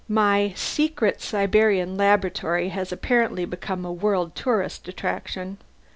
My 'secret' Siberian laboratory has apparently become a world tourist attraction.